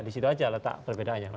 di situ aja letak perbedaannya